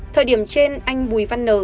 thời điểm trên anh bùi văn nờ